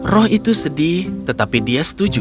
roh itu sedih tetapi dia setuju